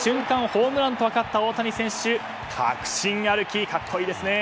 ホームランと分かった大谷選手、確信歩き格好いいですね。